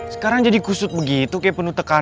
sekarang jadi kusut begitu kayak penuh tekan